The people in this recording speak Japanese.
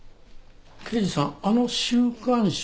刑事さんあの週刊誌